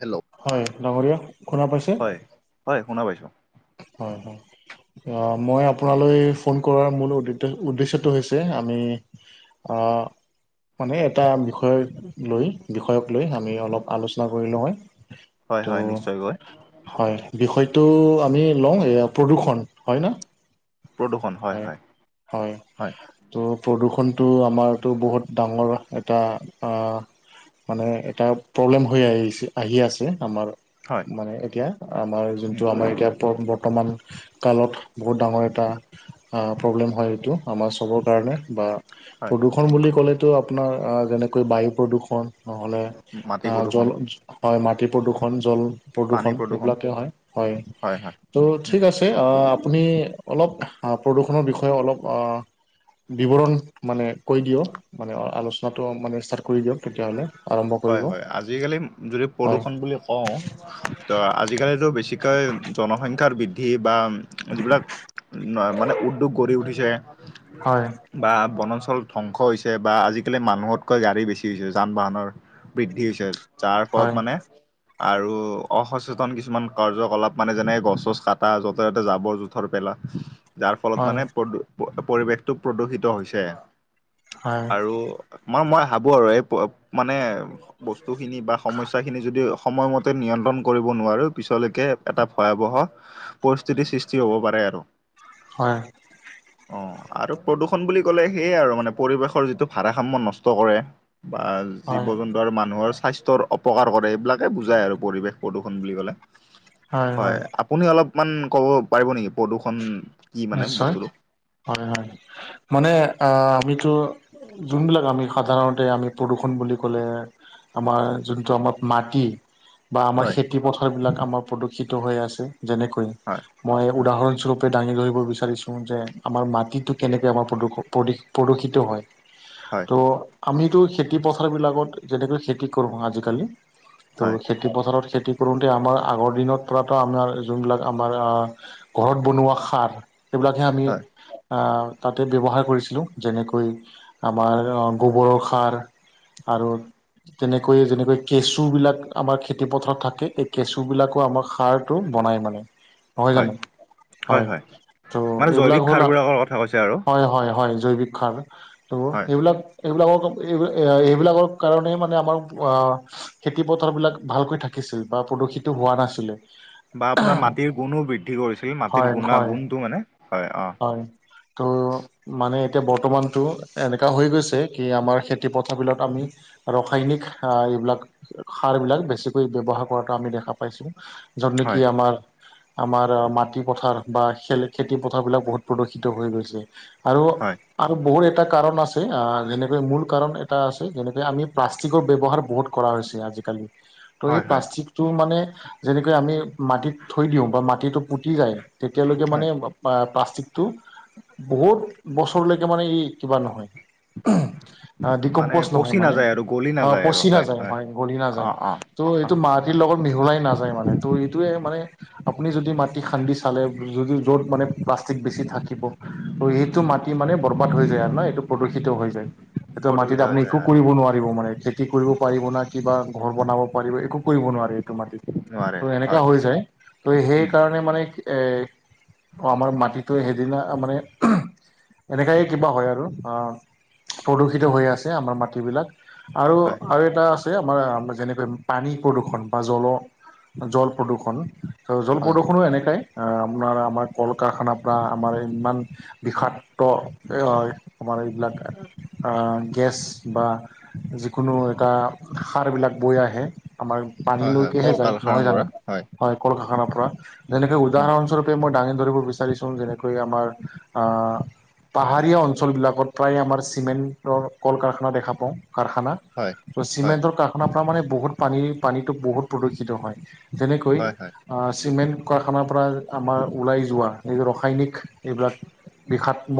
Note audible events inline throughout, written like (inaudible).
Hello হয় ডাঙৰীয়া শুনা পাইছে হয় হয় শুনা পাইছোঁ হয় হ মই আপোনালৈ ফোন কৰাৰ মূল উদ্দেশ্যটো হৈছে আমি অঁ মানে এটা বিষয় লৈ বিষয়ক লৈ আমি অলপ আলোচনা কৰি লওঁ হয় হয় হয় ত' নিশ্চয় গৈ হয় বিষয়টো আমি লওঁ এয়া প্ৰদূ্ষণ হয় ন হয় হয় ত' প্ৰদূৰষণটো আমাৰতো বহুত ডাঙৰ এটা মানে এটা প্ৰব্লেম হৈ আহিছে আহি আছে আমাৰ হয়, মানে এতিয়া আমাৰ উম যোনটো আমাৰ এতিয়া বৰ্তমান কালত বহুত ডাঙৰ এটা প্ৰব্লেম হয় সটো আমাৰ চবৰ কাৰণে বা হয় প্ৰদূৰষণ বুলি ক'লেতো আপোনাৰ যেনেকৈ বায়ু প্ৰদূৰষণ নহ'লে মাটি অ প্ৰদূষণ জল হয় মাটি প্ৰদূৰ্ষণ জল পানী প্ৰদূৰষণ প্ৰদূষণ এইেইবিলাকেই হয় হয় ত' উম ঠিক আছে আপুনি অলপ প্ৰদূষণৰ বিষয়ে অলপ বিৱৰণ মানে কৈ দিয়ক মানে আলোচনাটো মানে ষ্টাৰ্ট কৰি দিয়ক তেতিয়াহ'লে আৰম্ভ হয় কৰিব হয় আজিকালি যদি হয় প্ৰদূষণ বুলি ক অওঁ তো আজিকালিতো বেছিকৈ জনসংখ্যাৰ বৃদ্ধি বা যিবিলাক মানে উদ্যোগ গঢ়ি উঠিছে হয় বা বনাঞ্চল ধ্বংস হৈছে বা আজিকালি মানুহতকৈ গাড়ী বেছি হৈছে যান বাহনৰ বৃদ্ধি হৈছে যাৰ ফলত হয় মানে আৰু অসচেতন কিছুমান কাৰ্যকলাপ মানে যেনেক গছছ কাটা য'তে ত'তে জাবৰ জ থৰ পেলা যাৰ ফলত হয় মানে প্ৰদ পৰিৱেশটো প্ৰদূষিত হৈছে হয় আৰু মাৰ মই ভাবো আৰু এই মানে বস্তুখিনি বা সমস্যাখিনি যদি সময়মতে নিয়ন্ত্ৰণ কৰিব নোৱাৰোঁ পিছলৈকে এটা ভয়াৱহ, পৰিস্থিতিৰ সৃষ্টি হ'ব পাৰে আৰু। হয়। অ' আৰু প্ৰদূষণ বুলি ক'লে সেয়াই আৰু মানে পৰিৱেশৰ যিটো ভাৰাসাম্য় নষ্ট কৰে। (unintelligible) জীৱ হয় জন্তু আৰু মানুহৰ স্বাস্থ্যৰ অপকাৰ কৰে এইবিলাকে বুজাই আৰু পৰিৱেশ প্ৰদূষণ বুলি ক'লে। হয় আপুনি অলপমান ক'ব পাৰিব নেকি প্ৰদূৰষণ নিশ্চয় হয় হয়, মানে আহ আমিতো যোনবিলাক আমি সাধাৰণতে আমি প্ৰদূষণ বুলি ক'লে। আমাৰ যোনটো আমাৰ মাটি বা আমাৰ হয় খেতি পথাৰবিলাক আমাৰ প্ৰদূষিত হৈ আছে যেনেকৈ, হয় মই হয় উদাহৰণ স্বৰূপ দাঙি ধৰিব বিচাৰিছোঁ যে আমাৰ মাটিটো কেনেকৈ আমাৰ প্ৰদূষ প্ৰদূষিত হয়। হয় ত' আমিতো খেতি পথাৰ বিলাকত যেনেকৈ খেতি কৰো আজিকালি। ত' হয় সেইটো খেতিপথাৰত খেতি কৰোঁতে আমাৰ আগৰ দিনত পৰাতো আমাৰ যোনবিলাক আমাৰ ঘৰত বনোৱা সাৰ, সেইবিলাকে আমি হয় আহ তাতে ব্যৱহাৰ কৰিছিলোঁ যেনেকৈ আমাৰ গোবৰৰ সাৰ। আৰু‌ তেনেকৈয়ে যেনেকৈ কেঁচুবিলাক আমাৰ খেতিপথাৰত থাকে এই কেঁচুবিলাকো আমাৰ সাৰ বনাই মানে, হয় জান, হয়। ত' মানে এইবিলাক জৈৱিক হ'ল, সাৰবোৰৰ কথা কৈছে আৰু হয় হয় হয় জৈৱিক সাৰ। ত' হয়। সেইবিলাক এইবিলাকৰ এইাক এইবিলাকৰ কাৰণে মানে আমাৰ খেতি পথাৰ বিলাক ভালকৈ থাকিছিল বা প্ৰদূষিতো হোৱা নাছিলে। বা আপোনাৰ মাটিৰ গুণো বৃদ্ধি কৰিছিল মাটিৰ হয় গুণ হয় গুণটো মানে হয় অ'। হয় ত' মানে এতিয়া বৰ্তমানতটো এনেকুৱা হৈ গৈছে কি আমাৰ খেতিপথাৰবিলাক আমি ৰাসায়নিক এইবিলাক সাৰবিলাক বেছিকৈ ব্যৱহাৰ কৰাটো আমি দেখা পাইছোঁ। য'ত নেকি হয়। আমাৰ, আমাৰ মাটি পথাৰ বা খেলে খেতি পথাৰবিলাক বহুত প্ৰদূষিত হৈ গৈছে, আৰু হয়, আৰু বহুত এটা কাৰণ আছে যেনেকৈ মূল কাৰণ এটা আছে যেনেকৈ আমি প্লাষ্টিকৰ ব্যৱহাৰ বহুত কৰা হৈছে আজিকালি। ত' এই হয়, হয়, প্লাষ্টিকটো মানে যেনেকৈ আমি মাটিত থৈ দিওঁ বা মাটিতটো পুতি যায়। তেতিয়ালৈকে মানে হয়, প্লাষ্টিকটো, বহুত বছৰলৈকে মানে এই কিবা নহয়। উম। মানে ডিকম্পজ নহয় পচি মানে, নাযায় আৰু গলি অ' নাযায় আৰু পচি নাযায়, হয়, গলি নাযায় অ', অ', ত' এইটো অ', মাৰ মাটিৰ লগত মিহলাই নাযায় মানে ত' এইটোৱে মানে আপুনি যদি মাটি খান্দি চালে, যদি, য'ত মানে প্লাষ্টিক বেছি থাকিব ত, সেইটো মাটি মানে বৰবাদ হৈ যায় আৰু ন এইটো প্ৰদূষিত হৈ য স মাটিত প্ৰদূষিত হৈ আপুনি যায় একো হয়। কৰিব নোৱাৰিব মানে খেতি কৰিব পাৰিব ন কিবা ঘৰ বনাব ৰ একো কৰিব নোৱাৰে এইটো মাটিত, নোৱাৰে ত এনেকাা হয়, হৈ যায় ত উম, সেইকাৰণে মানে এ আমাৰ মাটিটোৱে সেইদিনা মানে এনেকাইে কিবা হয়, আৰু প্ৰদূষিত হৈ আছে আমাৰ মাটিবিলাক। আৰু হয়, আৰু, এটা আমাৰ যেনেকৈ পানী প্ৰদূৰষণ বা জল, জল প্ৰদূৰষণ। ত জল হয়, প্ৰদূষণো এনেকাই, আপোনাৰ আমাৰ কল কাৰখানাৰ পৰা আমাৰ ইমান বিষাক্ত হয় আমাৰ এইবিলাক গেছ বা যিকোনো এটা সাৰবিলাক বৈ আহে, আমাৰ পানী হয়, হয়, লৈকেহে কল যায় নহয় কাৰখানাবোৰে জানো হয়, কল কাৰখানাৰ পৰা যেনেকে উম, উদাহৰণস্বৰূপে মই দাঙ ধৰিব বিচাৰিছোঁ যেনেকৈ আমাৰ পাহাৰীয়া অঞ্চলবিলাকত প্ৰায় আমাৰ চিমেণ্টৰ কল কাৰখানা দেখা পাওঁ কাৰখানা হয়। হয়, ত হয়, চিমেণ্টৰ কাৰখানাৰ পৰা মানে বহুত পানী পানীতটো বহুত প্ৰদূষিত হয় যেনেকৈ হয়, চিমেণ্ট কাৰখানাৰ পৰা আমাৰ ওলাই যোৱা এই ৰাসায়নিক এইবিলাক বিষাত্ম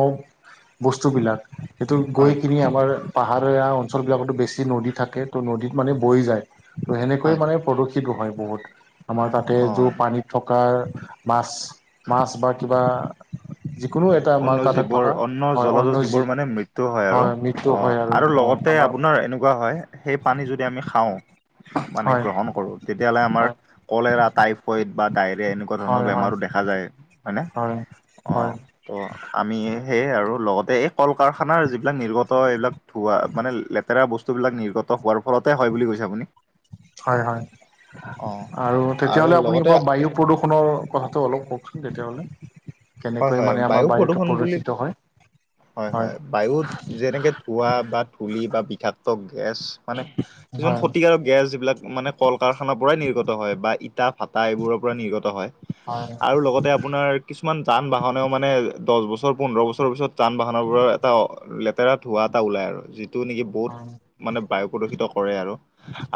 বস্তুবিলাক সেইটোু গৈ হয়, কিনি আমাৰ পাহাৰীয়া অঞ্চলবিলাকতো বেছি নদী থাকে ত' নদীত মানে বৈ যায়। ত' সেনেকৈয়ে হয়, মানে প্ৰদূষিতো হয় বহুত আমাৰ তাতে য অ'। পানী থকাৰ মাছ কিবা যিকোনো এটা মাৰ অন্ন কাটাত জীৱোৰ থকা অন্ন হয় জলজ অন্য যি জিবোৰ মানে মৃত্যু হয় আৰু অ' আৰু লগত তাতে আপোনাৰ এনেকুৱা হয় সেই পানী যদি আমি খাওঁ মানে হয় গ্ৰহণ কৰো তেতিয়াাহ'লে আমাৰ হয় কলেৰা টাইফইড বা ডায়েৰিয়া এনেকুৱা ধৰণৰ হয় হয় বেমাৰো দেখ দেখা যায় মানে হয় অঁ। হয় ত' আমি সেয়ে আৰু লগতে এই কল কাৰখানাৰ যিবিলাক নিৰ্গত এইবিলাক ধোৱা মানে লেতেৰা বস্তুবিলাক নিৰ্গত হোৱাৰ ফলতে হয় বুলি কৈছে আপুনি। হয়, হয়, অ আৰু তেতিয়াাহলে আপুনি বায়ু প্ৰদূষণৰ কথাটো অলপ কওকচোন তেতিয়াহ'লে। হয়, কেনেকৈ হয় মানে আমাৰ বায়ু বায়ুটো প্ৰদূৰষণ বুলি প্ৰদূষিত হয় হয় হয় বায়ুত যেনেকে ধোৱা বা ধূলি বা বিষাক্ত গেছ মানে কিছুমান হয় ক্ষতিকাৰক গেছ যিবিলাক মানে কল কাৰখানাৰ পৰাই নিৰ্গত হয় বা ইটা ভটা এইবোৰৰ পৰাই নিৰ্গত হয়। হয় আৰু লগতে আপোনাৰ কিছুমান যান বাহনেও মানে দহ বছৰ পোন্ধৰ বছৰ পিছত যান বাহনৰবোৰৰ এটা লেতেৰা ধঁৱা এটা ওলাই আৰু যিটো নেকি বহুত হয় মানে বায়ু প্ৰদূষিত কৰে আৰু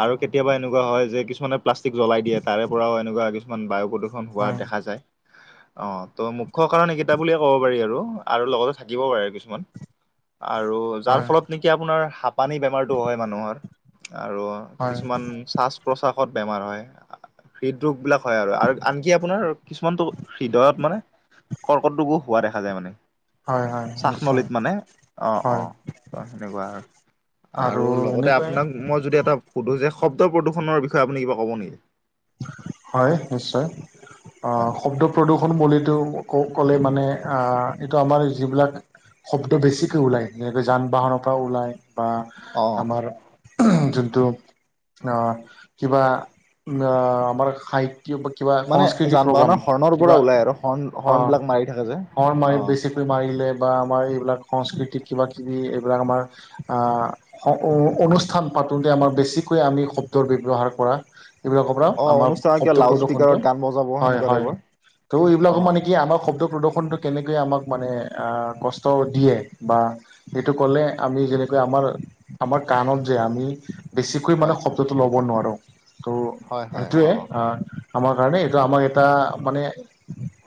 আৰু কেতিয়াবা এনেকুৱা হয় যে কিছুমানে প্লাষ্টিক জ্বলাই দিয়ে তাৰে পৰাও এনেকুৱা কিছুমান বায়ু প্ৰদূষণ হোৱা দেখা যায়ঁ। ত' মুখ্য কাৰণ এইকেইটা বুলিয়ে ক'ব পাৰি আৰু আৰু লগতে থাকিব পাৰে আৰু কিছুমান আৰু হয় যাৰ হয় ফলত নেকি আপোনাৰ হাপানি বেমাৰ হয় মানুহৰ আৰু হয় কিছুমান প্ৰাসত বেমাৰ হয় হৃদৰোগবিলাক হয়, আৰু আনকি আপোনাৰ কিছুমানতটো হৃদয়ত মানে কৰ্কট ৰোগো হোৱা দেখা যায় মানে। হয় হয় নিশ্চয় চখনলীত মানে অ' হয় অ' ত' সেনেকুৱা আৰু আৰু লগতে আপোনাক মই যদি এটা সুধো যে শব্দ প্ৰদূৰণৰ বিষয়ে আপুনি কিবা ক'ব নেকি? হয় নিশ্চয়। হয় অ' শব্দ প্ৰদূ্ষন বুলিটো ক'লে মানে আহ এইটো আমাৰ যিবিলাক শব্দ বেছিকৈ ওলায় যেনেকৈ যান বাহনৰ পৰা ওলায় বা অ আমাৰ যোনটো আহ কিবা আমাৰ হাইট কিবা মানে সংস্কৃতি যান প্ৰগ্ৰাম বাহনৰ হৰ্ণৰ পৰা কিবা ওলাই আৰু হৰ্ণ হৰ্ণবলাক মাৰি থাকে যে। হৰ অ মাৰি বেছিকৈ মাৰিলে বা আমাৰ এইবিলাক সংস্কৃতিক কিবা কিবি এইবিলাক আমাৰ অনুষ্ঠান পাতোঁতে আমাৰ বেছিকৈ আমি শব্দৰ ব্যৱহাৰ কৰা এইবিলাকৰ পৰা অ আমাৰ অনুষ্ঠানত কিয় শব্দ লাউড প্ৰদৰ্শনটো স্পীকাৰত গান বজাব হয় সেনেকুৱা হয়। টাইপৰ ত' অ এইবিলাকো মানে কি আমাৰ শব্ প্ৰদ ফটো কেনেকৈে আমাক মানে কষ্ট দিয়ে বা সেইটো কলে আমি যেনেকৈ আমাৰ আমাৰ কাণত যে আমি বেছিকৈ মানে হয় শব্দটো ল'ব নোৱাৰোঁ ত' হয় হয় সেইটোৱে অ আমাৰ কাৰণে এইটো আমাক এটা মানে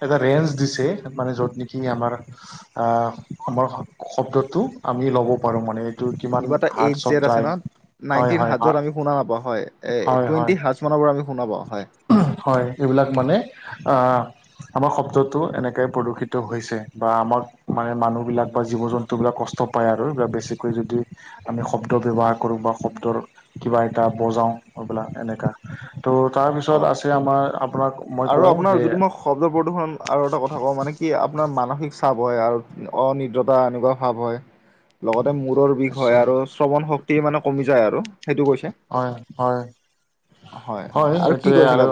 এটা ৰেঞ্জ দিছে। মানে য'ত নেকি আমাৰ আমাৰ শব্দটো আমি ল'ব পাৰোঁ মানে কিমান কিবা এটা এই হাৰ্টছত জেড আছে যায় ন' নাইনট হয় হয় হাজ আমি শুনা নাপাওঁ এই হয় হয় টুৱেণ্টি হাজমানৰ পৰা আমি শুনা পাওঁ হয়। হয়, এইবিলাক মানে আমাৰ শব্দটো এনেকৈ প্ৰদূষিত হৈছে। বা আমাক মানে মানুহবিলাক বা জীৱ জন্তুবিলাক কষ্ট পায় আৰু এইবিলাক বেছিকৈ যদি আমি শব্দ ব্যৱহাৰ কৰোঁ বা শব্দৰ কিবা এটা বজাওঁ সবেলাক এনেকুৱা। ত' তাৰপিছত অ আছে আমাৰ আপোনাক মই আৰু কওঁ আপোনাৰ যে যদি মই শব্দ প্ৰদূষণ আৰু এটা কথা কওঁ মানে কি আপোনাৰ মানসিক চাপ হয় আৰু অনিদ্ৰতা এনেকুৱা ভাৱ হয়। (unintelligible) লগতে মূৰৰ বিষ হয় নিশ্চয় আৰু শ্ৰৱণ শক্তি মানে কমি যায় আৰু। সেইটো কৈছে হয়, হয়, হয়, এইটোৱে আৰু।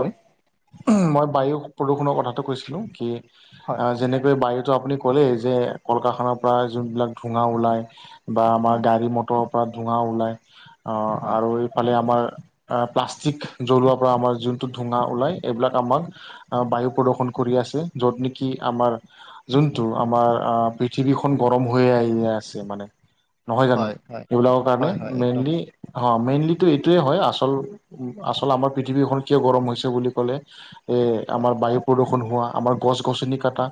মই বায়ু প্ৰদূষণৰ কথাটো কৈছিলো কি হয় যেনেকৈ বায়ুতটো আপুনি ক'লেই যে কলকাৰখানাৰ পৰা যোনবিলাক ধোঙা ওলায় বা আমাৰ হয় গাড়ী মটৰ পৰা ধোৱা ওলাই আহ হয় আৰু এই ফালে আমাৰ প্লাষ্টিক জ্বলোৱাৰ পৰা আমাৰ যোনটো ধোঙা ওলাই এইবিলাক আমাক আহ বায়ু প্ৰদৰ্শন কৰি আছে য'ত নেকি আমাৰ যোনটো আমাৰ আহ পৃথিৱীখন গৰম হৈয়ে আহে আছে মানে। নহয় জানো হয় হয় এইবিলাকৰ কৰণে হয় হয় একদম মেনল্লী অ মেনল্লী কিন্তু এইটোৱে হয় আচল আচল আমাৰ পৃথিৱীখন কিয় গৰম হৈছে বুলি ক'লে এ হয় আমাৰ বায়ু প্ৰদূষন হোৱা আমাৰ গছ গছনি কটা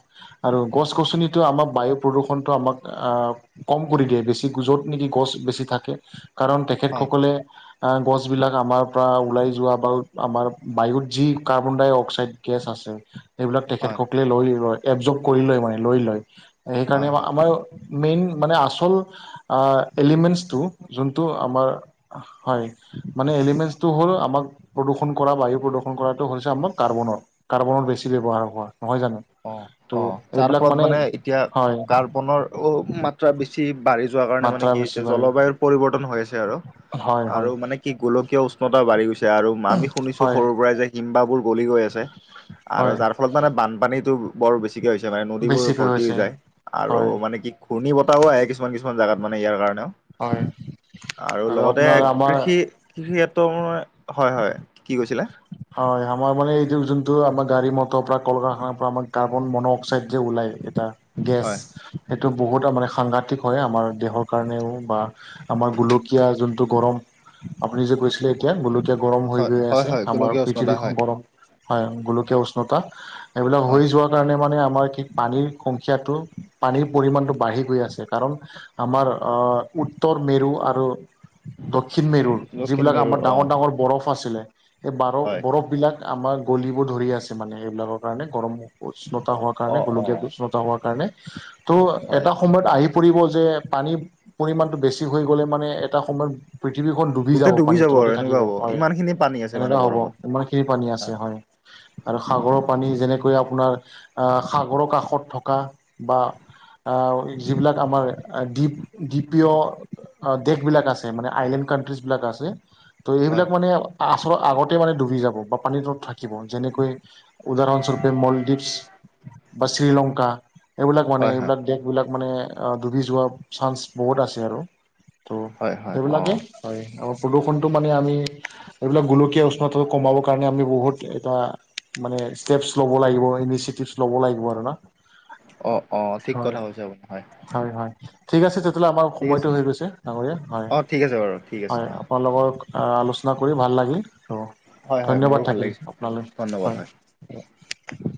আৰু গছ গছনিতটো আমাক বায়ু প্ৰদূষণটো আমাক কম কৰি দিয়ে বেছি য'ত নেকি গছ বেছি থাকে কাৰণ হয় তেখেতসকলে গছবিলাক আমাৰ পৰা ওলাই যোৱা বা আমাৰ বায়ুত যি কাৰ্বন ডাই অক্সাইড গেছ আছে। সেইবিলাক হয় তেখেতসকলে লৈ লয় এবজভ কৰি লয় মানে লৈ লয় হয় সেইকাৰণে হয় আমাৰ মেইন মানে আচল এলিমেন্টটো যোনটো আমাৰ হয়। মানে এলিমেন্টচটো হ'ল আমাক প্ৰদূষণ কৰা বায়ু প্ৰদূষণ কৰাটো হৈছে আমাৰ কাৰ্বনৰ। কাৰ্বনত বেছি ব্যৱহাৰ হোৱা নহয় জানো। অ', অ', ত' যাৰ এইবিলাক ফলত মানে এতিয়া হয় কাৰ্বনৰ বেছি বাঢ়ি যোৱা কাৰণে মানে মাত্ৰা কি বেছি হৈছে বাঢ়ি জলবায়ুৰ পৰিৱৰ্তন হৈ আছে আৰু, হয় আৰু হয় মানে স গোলকীয় উষ্ণতা বাঢ়ি গৈছে আৰু আমি শুনিছো হয় সৰুৰ পৰাই যে হিম্বাবোৰ গলি গৈ আছে আৰু হয় যাৰ ফলত মানে বানপানীতটো বৰ বেছি কিকে হৈছে মানে নদীবোৰ বেছিকৈ ভৰ্তি হৈ হৈছে যায় আৰু হয় মানে কি ঘূৰ্ণীতাহও আহ কিছুমান কিছুমান জাগাত মানে ইয়াৰ কাৰণেও। হয় আৰু লগতে আপোনাৰ আমাৰ কৃষি কৃষিাত্ৰ মাৰ হয়, হয় কি কৈছিলে? হয় আমাৰ মানে এইটো যোনটো আমাৰ গাড়ী মটৰ পৰা কল কাৰখানাৰ পৰা আমাৰ কাৰ্বন মন অক্সাইড যে ওলাই এ গেছ হয় সেইটো বহুতো মানে সাংঘাতিক হয় আমাৰ দেহৰ কাৰণেও বা আমাৰ গোলকীয়া যোনটো গৰম আপুনি যে কৈছিলে এতিয়া গোলকীয়া গৰম হৈ হয় গৈ হয় আছে হয় আমাৰ গোলকীয় উষ্ণতা পৃথিৱীখন হয় গৰম হয় গোলকীয়া উষ্ণতা এইবিলাক হয় হৈ যোৱা কাৰণে মানে আমাৰ কি পানীৰ সংখ্যাটো পানীৰ পৰিমাণটো বাঢ়ি গৈ আছে কাৰণ আমাৰ উত্তৰ মেৰু আৰু দক্ষিণ মেৰুৰ দক্ষিণ যিবিলাক আমাৰ মেৰুৰ অ ডাঙৰ ডাঙৰ বৰফ আছিলে সেই হয় বৰফ প বিলাক আমাৰ গলিবোৰ ধৰি আছে মানে এইবিলাকৰ কাৰণে গৰম উষ্ণতা হোৱা অ কাৰণে অ গলকীয়াৰ উষ্ণত তমৰ কাৰণে ত' হয় এটা সময়ত আহি পৰিব যে পানীৰ পৰিমাণটো বেছি হৈ গ'লে মানে এটা সময়ত পৃথিৱীখন ডুবি যাব গোটেই পানীৰ আৰু তলতে থাকিব এনেকুৱা হ'ব হয় ইমান খিনি পানী আছে মানে সেনেকুৱা হ'ব। বৰফত ইমানখিনি পানী আছে হয় আৰু সাগৰৰ পানী যেনেকৈ আপোনাৰ আহ সাগৰৰ কাষত থকা বা আহ যিবিলাক আমাৰ দীপ-দ্বীপীয় দেশবিলাক আছে মানে আইলেণ্ড কাণ্ট্ৰিজবিলাক আছে। ত' হয় এইবিলাক মানে আচলৰ আগতে মানে ডুবি যাব বা পানীটোত থাকিব যেনেকৈ উদাহৰণস্বৰূপে মলদ্বীপছ। বা শ্ৰীলংকা এইবিলাক মানে হয় হয় এইবিলাক দেশবিলাক মানে ডুবি যোৱা চান্স বহুত আছে আৰু। ত' হয় হয় হয় অ সেইবিলাকে হয় আ প্ৰদূষণতটো মানে আমি এইবিলাক গোলকীয়া কমাব কাৰণে আমি বহুত এটা মানে ষ্টেপছ ল'ব লাগিব ইনিচিয়েটিভছ ল'ব লাগিব আৰু না অ', অ', ঠিক হয় কথা কৈছে আপুনি হয়। হয় হয়। ঠিক আছে তেতিয়াহ'লে আমাৰ ঠিক আছে সময়টো হৈ গৈছে ডাঙৰীয়া হয় অ ঠিক আছে বাৰু ঠিক আছে হয়, আপোনালোকৰ আ আলোচনা কৰি ভাল লাগিল ত' হয় হয় মোৰো ধন্যবাদ ভাল থাকিল লাগিছে আপোনালৈ ধন্যবাদ হয় হয়। (unintelligible)